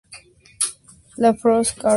La Fosse-Corduan